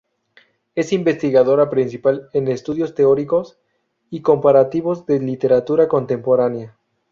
Es investigadora principal en Estudios Teóricos y Comparativos de Literatura Contemporánea.